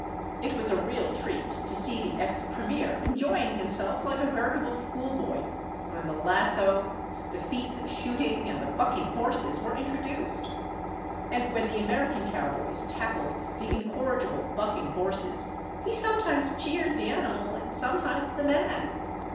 It was a real treat to see the ex premier enjoying himself like a veritable school boy when the lasso, the feats of shooting, and the bucking horses were introduced; and when the American cowboys tackled the incorrigible bucking horses he sometimes cheered the animal and sometimes the man.